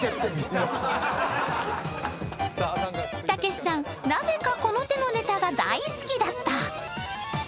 たけしさん、なぜかこの手のネタが大好きだった。